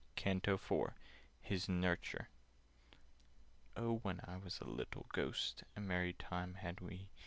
CANTO IV Hys Nouryture "OH, when I was a little Ghost, A merry time had we!